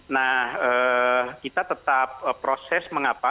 nah kita tetap proses mengapa